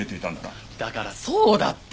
だからそうだって！